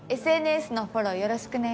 ＳＮＳのフォローよろしくね。